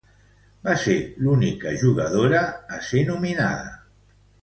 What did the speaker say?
Va ser l'única jugadora dona a ser nominada.